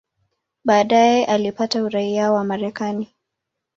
Baadaye alipata uraia wa Marekani.